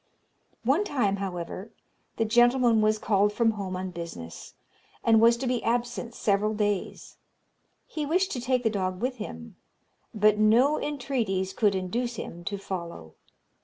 One time, however, the gentleman was called from home on business, and was to be absent several days. He wished to take the dog with him; but no entreaties could induce him to follow.